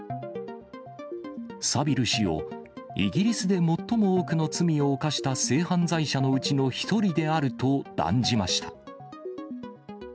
サビル氏を、イギリスで最も多くの罪を犯した性犯罪者のうちの１人であると断じました。